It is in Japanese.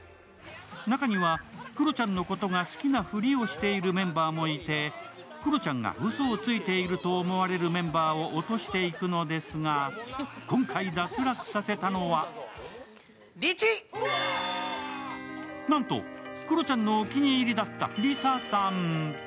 中にはクロちゃんのことが好きなふりをしているメンバーもいてクロちゃんがうそをついていると思われるメンバーを落としていくのですが今回脱落させたのはなんとクロちゃんのお気に入りだったリサさん。